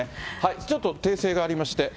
ちょっと訂正がありまして。